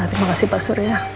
terima kasih pak surya